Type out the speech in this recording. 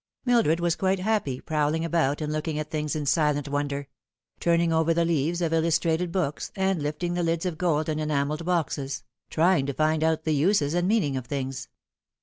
Mildred was quite happy, prowling about and looking at things in silent wonder ; turning over the leaves of illustrated books, and lifting the lids of gold and enamelled boxes ; trying to find out the uses and meanings of things.